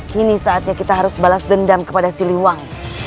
kini saatnya kita harus balas dendam kepada si liwang